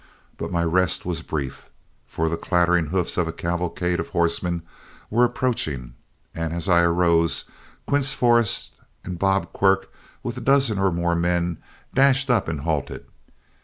But my rest was brief, for the clattering hoofs of a cavalcade of horsemen were approaching, and as I arose, Quince Forrest and Bob Quirk with a dozen or more men dashed up and halted.